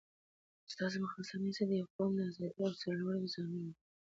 د استاد مخلصانه هڅې د یو قوم د ازادۍ او سرلوړۍ ضامنې دي.